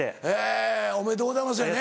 おめでとうございますやね。